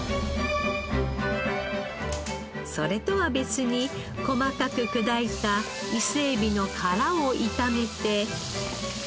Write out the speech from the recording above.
それとは別に細かく砕いた伊勢えびの殻を炒めて。